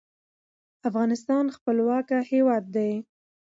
افغانستان خپلواک هیواد دی.